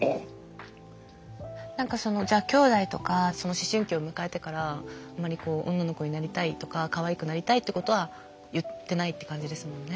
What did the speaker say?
何かそのじゃあきょうだいとかその思春期を迎えてからあまりこう女の子になりたいとかかわいくなりたいってことは言ってないって感じですもんね？